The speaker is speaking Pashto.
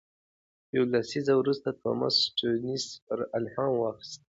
یو لسیزه وروسته توماس سټيونز پرې الهام واخیست.